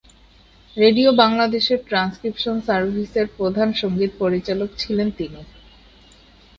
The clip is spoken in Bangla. রেডিও বাংলাদেশের ট্রান্সক্রিপশন সার্ভিসের প্রধান সঙ্গীত পরিচালক ছিলেন তিনি।